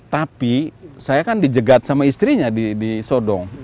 tapi saya kan dijegat sama istrinya di sodong